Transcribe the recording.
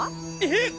えっ！？